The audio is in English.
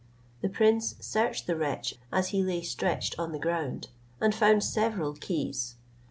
The prince searched the wretch as he lay stretched on the ground, and found several keys.